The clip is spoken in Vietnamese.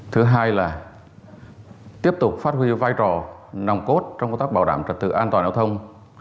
thứ hai là tiếp tục phát huy vai trò nòng cốt trong công tác bảo đảm trật tự an toàn giao thông